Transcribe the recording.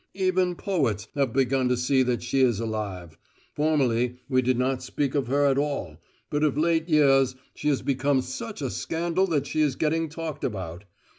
Even poets have begun to see that she is alive. Formerly we did not speak of her at all, but of late years she has become such a scandal that she is getting talked about.